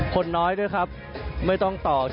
คนน้อยด้วยครับไม่ต่อคิวค่ะ